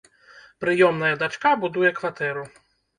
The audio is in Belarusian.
Прыёмная дачка будуе кватэру.